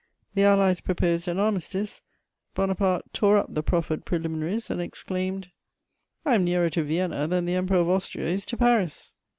The Allies proposed an armistice; Bonaparte tore up the proffered preliminaries and exclaimed: "I am nearer to Vienna than the Emperor of Austria is to Paris!"